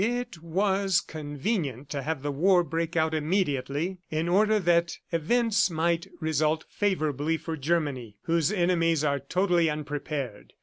'" It was convenient to have the war break out immediately, in order that events might result favorably for Germany, whose enemies are totally unprepared.